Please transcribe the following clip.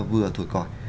vừa thổi còi